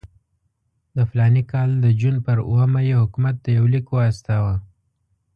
د فلاني کال د جون پر اوومه یې حکومت ته یو لیک واستاوه.